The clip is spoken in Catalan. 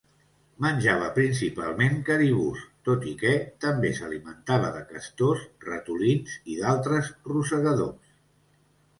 Menjava principalment caribús, tot i que també s'alimentava de castors, ratolins i d'altres rosegadors.